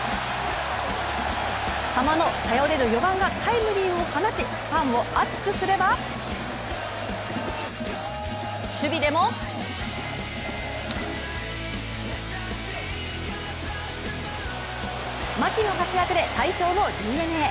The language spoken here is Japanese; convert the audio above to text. ハマの頼れる４番がタイムリーを放ち、ファンを熱くすれば守備でも牧の活躍で大勝のＤｅＮＡ。